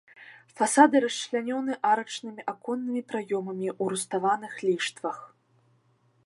Фасады расчлянёны арачнымі аконнымі праёмамі ў руставаных ліштвах.